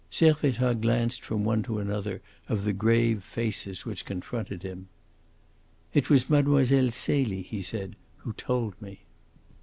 Servettaz glanced from one to another of the grave faces which confronted him. "It was Mlle. Celie," he said, "who told me."